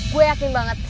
gue yakin banget